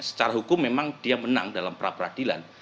secara hukum memang dia menang dalam pra peradilan